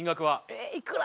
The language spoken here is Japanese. ええいくら？